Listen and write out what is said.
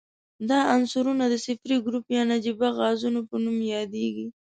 دا عنصرونه د صفري ګروپ یا نجیبه غازونو په نوم یادیږي.